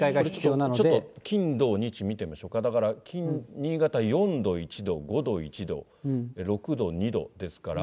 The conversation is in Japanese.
これちょっと、金、土、日、見てみましょうか、だから新潟４度１度、５度、１度、それから６度ですから。